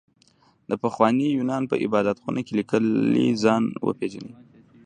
د پخواني يونان په عبادت خونه کې ليکلي ځان وپېژنئ.